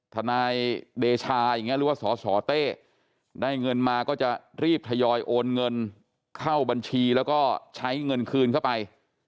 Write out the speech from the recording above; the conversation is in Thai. ทนายเดชาอย่างนี้หรือว่าสสเต้ได้เงินมาก็จะรีบทยอยโอนเงินเข้าบัญชีแล้วก็ใช้เงินคืนเข้าไป